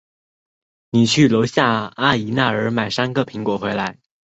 你去楼下阿姨那儿买三个苹果回来。